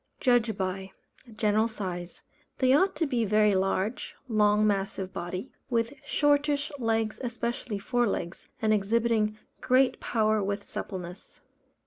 Judged by: General size. They ought to be very large, long massive body, with shortish legs (especially fore legs) and exhibiting great power with suppleness.